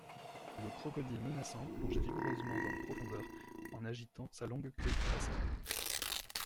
Le crocodile menaçant plongeait vigoureusement dans les profondeurs en agitant sa longue queue cuirassée.